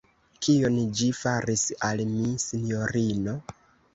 Kion ĝi faris al mi, sinjorino?